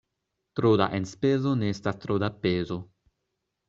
Tro da enspezo ne estas tro da pezo.